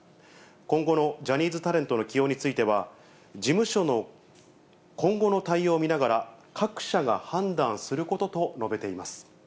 今後のジャニーズタレントの起用については、事務所の今後の対応を見ながら、各社が判断することと述べています。